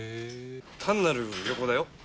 単なる旅行だよ。